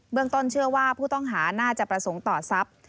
ต้นเชื่อว่าผู้ต้องหาน่าจะประสงค์ต่อทรัพย์